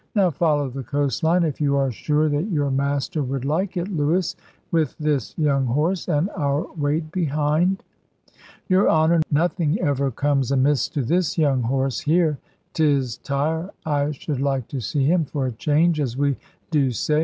Now follow the coast line if you are sure that your master would like it, Lewis, with this young horse, and our weight behind." "Your Honour, nothing ever comes amiss to this young horse here. 'Tis tire I should like to see him, for a change, as we do say.